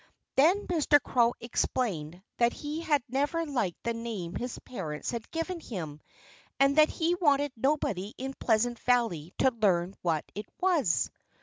Then Mr. Crow explained that he had never liked the name his parents had given him and that he wanted nobody in Pleasant Valley to learn what it was.